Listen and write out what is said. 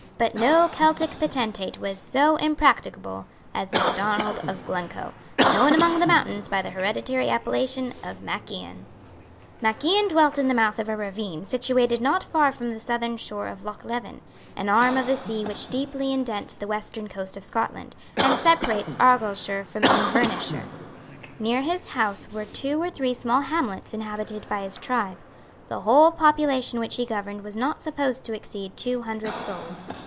But no Celtic potentate was so impracticable as Macdonald of Glencoe, known among the mountains by the hereditary appellation of Mac Ian. Mac Ian dwelt in the mouth of a ravine situated not far from the southern shore of Lochleven, an arm of the sea which deeply indents the western coast of Scotland, and separates Argyleshire from Invernesshire. Near his house were two or three small hamlets inhabited by his tribe. The whole population which he governed was not supposed to exceed two hundred souls.